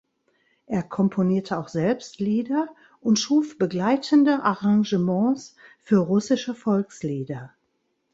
Er komponierte auch selbst Lieder und schuf begleitende Arrangements für russische Volkslieder.